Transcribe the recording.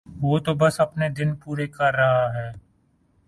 وہ تو بس اپنے دن پورے کر رہا ہے